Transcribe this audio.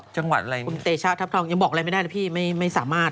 จังหวัดอะไรคุณเตชะทัพทองยังบอกอะไรไม่ได้เลยพี่ไม่ไม่สามารถ